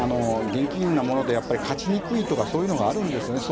現金なものでやっぱり勝ちにくいとかそういうのがあるんですよね。